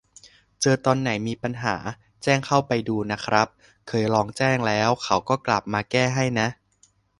เจอตอนไหนมีปัญหา แจ้งเข้าไปดูนะครับ เคยลองแจ้งแล้วเขาก็กลับมาแก้ให้นะ